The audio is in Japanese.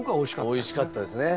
美味しかったですね。